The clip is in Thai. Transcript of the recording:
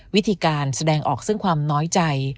วิธีการแสดงออกซึ่งความน้อยใจ